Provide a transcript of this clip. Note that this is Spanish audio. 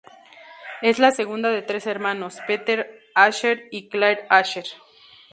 Es la segunda de tres hermanos: Peter Asher y Clare Asher.